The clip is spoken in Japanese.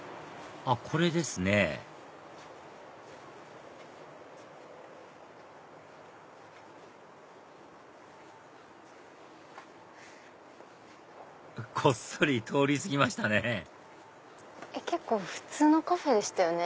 これですねこっそり通り過ぎましたね結構普通のカフェでしたよね。